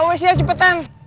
ya siap cepetan